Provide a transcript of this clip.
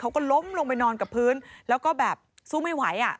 เขาก็ล้มลงไปนอนกับพื้นแล้วก็แบบสู้ไม่ไหวอ่ะ